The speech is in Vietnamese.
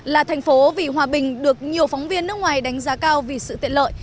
là thành phố vì hòa bình được nhiều phóng viên nước ngoài đánh giá cao vì sự tiện lợi